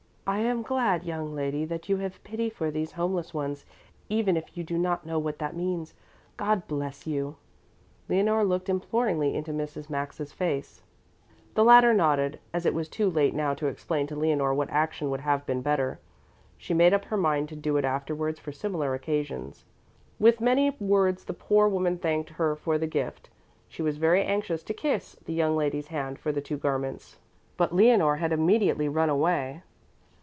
"I am glad, young lady, that you have pity for these homeless ones, even if you do not know what that means. God bless you!" Leonore looked imploringly into Mrs. Maxa's face. The latter nodded, as it was too late now to explain to Leonore what action would have been better. She made up her mind to do it afterwards for similar occasions. With many words the poor woman thanked her for the gift. She was very anxious to kiss the young lady's hand for the two garments, but Leonore had immediately run away.